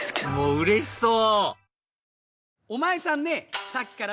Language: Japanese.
うれしそう！